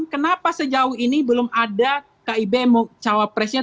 kenapa sejauh ini belum ada kib cawapresnya